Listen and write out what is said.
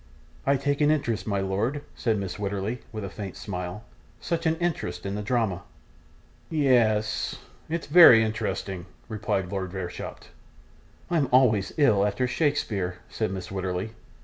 'I take an interest, my lord,' said Mrs. Wititterly, with a faint smile, 'such an interest in the drama.' 'Ye es. It's very interesting,' replied Lord Verisopht. 'I'm always ill after Shakespeare,' said Mrs. Wititterly.